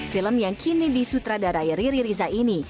film yang kini disutradarai riri riza ini